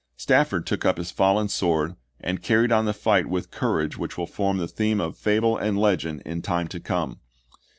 Stafford took up his fallen sword and carried on the fight with a courage which will form the theme of fable and legend in time to come.